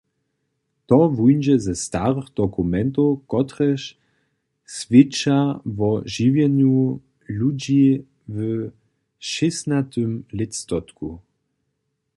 To wuńdźe ze starych dokumentow, kotrež swědča wo žiwjenju ludźi w šěsnatym lětstotku.